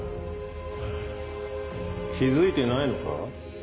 気付いてないのか？